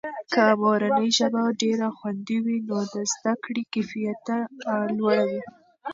که مورنۍ ژبه ډېره خوندي وي، نو د زده کړې کیفیته لوړه وي.